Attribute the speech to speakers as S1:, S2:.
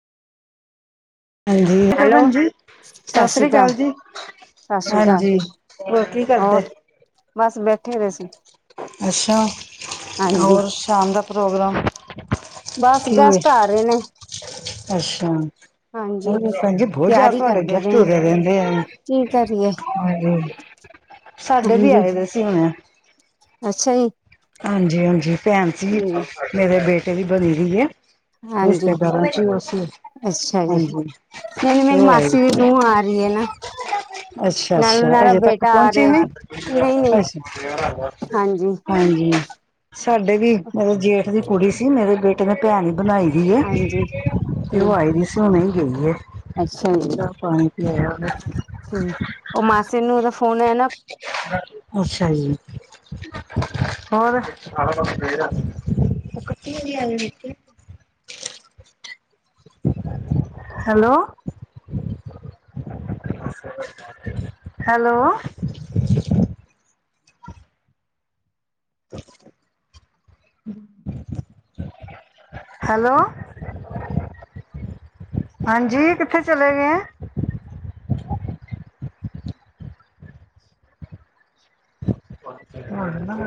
S1: ਹਾਂਜੀ
S2: ਹੈਲੋ
S1: ਭੈਣ ਜੀ, ਸਤਿ ਸ੍ਰੀ ਅਕਾਲ ਜੀ।
S2: ਸਤਿ ਸ਼੍ਰੀ ਅਕਾਲ
S1: ਹਾਂਜੀ, ਹੋਰ ਕੀ
S2: ਹੋਰ
S1: ਕਰਦਾ?
S2: ਬਸ ਬੈਠੇ ਦੇ ਸੀ
S1: ਅੱਛਾ,
S2: ਹਾਂਜੀ
S1: ਹੋਰ ਸ਼ਾਮ ਦਾ ਪ੍ਰੋਗਰਾਮ?
S2: ਬਸ
S1: ਕੀ ਹੈ
S2: ਗੈਸਟ ਆ ਰਹੇ ਨੇ,
S1: ਅੱਛਾ,
S2: ਹਾਂਜੀ
S1: ਭੈਣ ਜੀ ਬਹੁਤ ਜਾ
S2: ਤਿਆਰੀ
S1: ਤੁਹਾਡੇ
S2: ਕਰਦੇ ਪਏ
S1: ਗੈਸਟ
S2: ਆ
S1: ਉਰੇ ਰਹਿੰਦੇ ਐ।
S2: ਕੀ ਕਰੀਏ
S1: ਹਾਂ ਸਾਡੇ ਵੀ
S2: ਹਾਂਜੀ
S1: ਆਏ ਦੇ ਸੀ ਹੁਣ,
S2: ਅੱਛਾ ਜੀ,
S1: ਹਾਂਜੀ-ਹਾਂਜੀ, ਭੈਣ ਸੀ
S2: ਠੀਕ
S1: ਮੇਰੇ ਬੇਟੇ ਦੀ ਬਣੀ ਦੀ ਹੈ।
S2: ਹਾਂਜੀ
S1: ਰਿਸ਼ਤੇਦਾਰ ਚ ਅਸੀ,
S2: ਅੱਛਾ ਜੀ, ਨਹੀਂ-ਨਹੀਂ ਮੇਰੀ ਮਾਸੀ ਦੀ ਨੂੰਹ ਆ ਰਹੀ ਹੈ ਨਾ। ਨਾਲ
S1: ਅੱਛਾ-ਅੱਛਾ
S2: ਉਹਨਾਂ ਦਾ
S1: ਹਜੇ ਤੱਕ
S2: ਬੇਟਾ ਆ
S1: ਪਹੁੰਚੇ
S2: ਰਿਹਾ
S1: ਨੀ
S2: ਨਹੀਂ ਨਹੀਂ
S1: ਅੱਛਾ,
S2: ਹਾਂਜੀ
S1: ਹਾਂਜੀ, ਸਾਡੇ ਵੀ ਮਤਲਬ ਜੇਠ ਦੀ ਕੁੜੀ ਸੀ, ਮੇਰੇ ਬੇਟੇ ਨੇ ਭੈਣ ਬਣਾਈ ਦੀ ਹੈ,
S2: ਹਾਂਜੀ
S1: ਅਤੇ
S2: ਠੀਕ
S1: ਉਹ ਆਈ ਦੀ ਸੀ ਉਣੇ ਗਈ ਐ।
S2: ਅੱਛਾ ਜੀ
S1: ਚ ਪਾਣੀ ਪਿਆਇਆ ਉਨੇ,
S2: ਠੀਕ ਉਹ ਮਾਸੀ ਨੂੰਹ ਦਾ ਫੋਨ ਹੈ ਨਾ
S1: ਅੱਛਾ ਜੀ, ਹੋਰ? ਹੈਲੋ ਹੈਲੋ ਹੈਲੋ ਹਾਂਜੀ ਕਿੱਥੇ ਚਲੇ ਗਏ ਆਂ। ਹਾਂ,